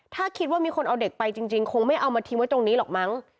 ถ้าคิดว่ามีคนเอาเด็กไปจริงคงไม่เอามาทิ้งไว้ตรงนี้หรอกมั้ง